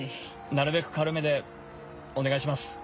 なるべく軽めでお願いします。